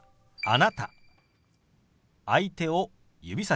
「あなた」。